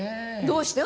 どうして？